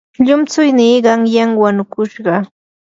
llumtsuynii qanyan wanukushqa.